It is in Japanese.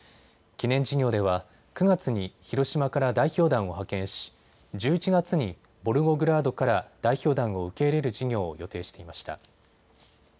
記念事業では９月に広島から代表団を派遣し１１月にボルゴグラードから代表団を受け入れる事業を予定していました。